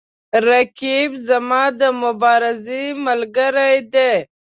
رقیب زما د مبارزې ملګری دی